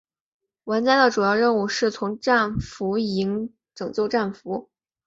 玩家的主要任务是从战俘营拯救战俘。